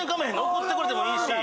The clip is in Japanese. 送ってくれてもいいし。